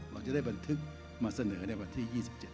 เราจะได้บันทึกมาเสนอในวันที่๒๗